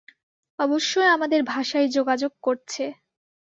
অবশ্যই আমাদের ভাষায় যোগাযোগ করছে।